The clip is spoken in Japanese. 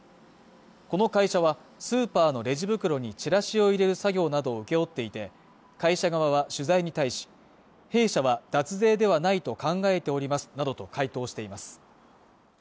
この会社はスーパーのレジ袋にチラシを入れる作業などを請け負っていて会社側は取材に対し弊社は脱税ではないと考えておりますなどと回答しています